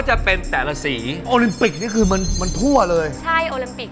ใช่โอลัมปิกทั่วโลก